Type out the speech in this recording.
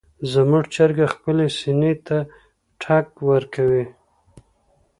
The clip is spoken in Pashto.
زموږ چرګه خپلې سینې ته ټک ورکوي.